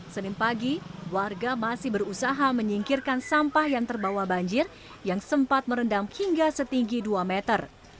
senin pagi warga masih berusaha menyingkirkan sampah yang terbawa banjir yang sempat merendam hingga setinggi dua meter